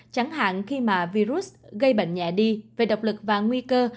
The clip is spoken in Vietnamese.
chẳng hạn khi mà virus gây bệnh nhẹ đi về độc lực và nguy cơ